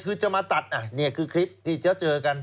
คือจะมาตัดนี่คือคลิปที่จะเจอกัน